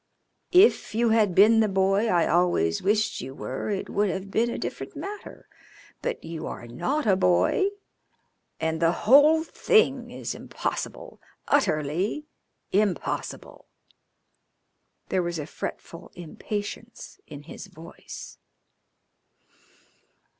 If you had been the boy I always wished you were it would have been a different matter, but you are not a boy, and the whole thing is impossible utterly impossible." There was a fretful impatience in his voice.